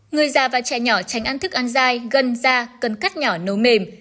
người già và trẻ nhỏ tránh ăn thức ăn dai gần da cần cắt nhỏ nấu mềm